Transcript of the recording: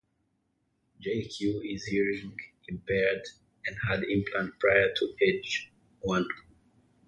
J. Q. is hearing impaired and had implants prior to age one.